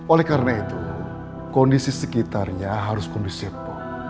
oleh karena itu kondisi sekitarnya harus kondisi apa